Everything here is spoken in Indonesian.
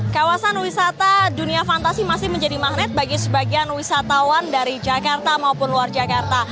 kawasan wisata dunia fantasi masih menjadi magnet bagi sebagian wisatawan dari jakarta maupun luar jakarta